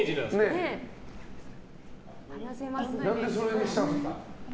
何でそれにしたんですか？